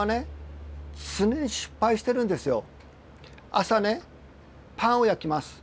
朝ねパンを焼きます。